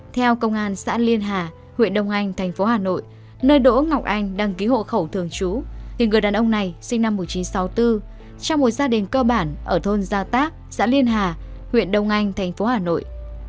theo công an xã liên hà huyện đông anh thành phố hà nội nơi đỗ ngọc anh đăng ký hộ khẩu thường trú thì người đàn ông này sinh năm một nghìn chín trăm sáu mươi bốn trong một gia đình cơ bản ở thôn gia tác xã liên hà huyện đông anh thành phố hà nội